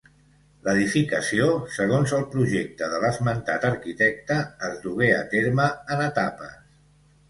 L'edificació, segons el projecte de l'esmentat arquitecte, es dugué a terme en etapes.